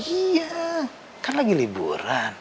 iya kan lagi liburan